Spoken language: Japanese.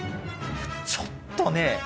ちょっとね